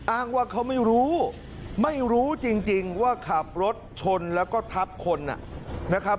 อ้างว่าเขาไม่รู้ไม่รู้จริงว่าขับรถชนแล้วก็ทับคนนะครับ